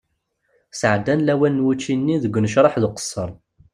Sɛeddan lawan n wučči-nni deg unecreḥ d uqesser.